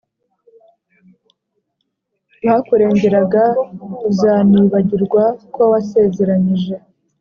bakurengeraga! uzanibagirwa ko wasezeranyije